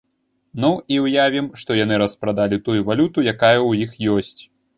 Ну і ўявім, што яны распрадалі тую валюту, якая ў іх ёсць.